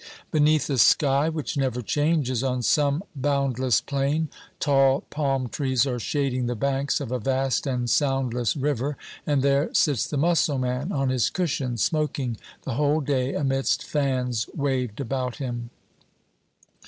Beneath a sky which never changes, on some boundless plain, tall palm trees are shading the banks of a vast and soundless river, and there sits the Mussulman on his cushions, smoking the whole day amidst fans waved about him.